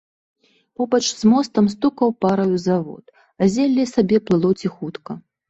Побач з мостам стукаў параю завод, а зелле сабе плыло ціхутка.